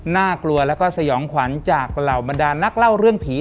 น่ากลัวแล้วก็สยองขวัญจากเหล่าบรรดานักเล่าเรื่องผี